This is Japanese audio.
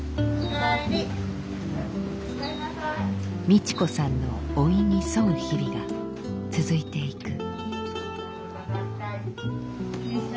ミチ子さんの老いに沿う日々が続いていく。